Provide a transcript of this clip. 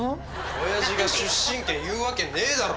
親父が出身県言うわけねえだろ！